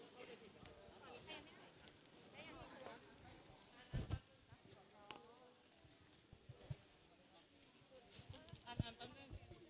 โปรดติดตามตอนต่อไป